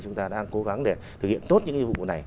chúng ta đang cố gắng để thực hiện tốt những cái vụ này